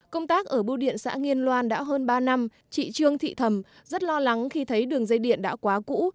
công tác ở bưu điện xã nghiên loan đã hơn ba năm chị trương thị thầm rất lo lắng khi thấy đường dây điện đã quá cũ